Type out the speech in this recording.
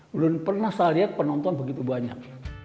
belum pernah saya lihat penonton begitu banyak